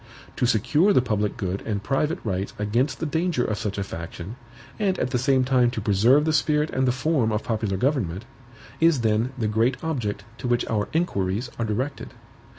To secure the public good and private rights against the danger of such a faction, and at the same time to preserve the spirit and the form of popular government, is then the great object to which our inquiries are directed.